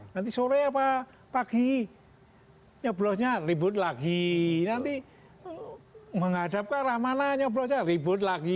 nanti sore apa pagi nyeblosnya ribut lagi nanti menghadap ke arah mana nyeblosnya ribut lagi